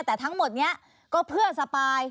แต่ทั้งหมดนี้ก็เพื่อสปาย